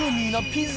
ピザ！